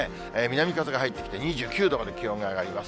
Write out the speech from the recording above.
南風が入ってきて２９度まで気温が上がります。